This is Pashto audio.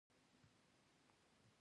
د ګڼه ګوڼې د شتون له امله